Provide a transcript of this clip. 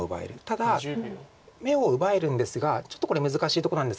ただ眼を奪えるんですがちょっとこれ難しいとこなんですが。